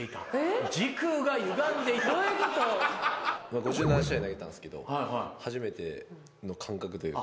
５７試合投げたんですけど初めての感覚というか。